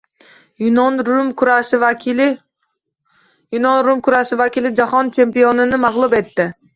Yunon-rum kurashi vakili jahon chempionini mag‘lub etdi